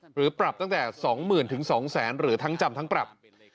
หรือปรับตั้งแต่๒๐๐๐๒๐๐๐หรือทั้งจำทั้งปรับ